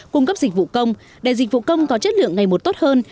cung cấp dịch vụ công để dịch vụ công có chất lượng ngày một tốt hơn